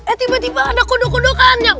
eh tiba tiba ada kodok kodokannya